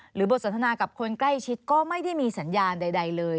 บทสนทนากับคนใกล้ชิดก็ไม่ได้มีสัญญาณใดเลย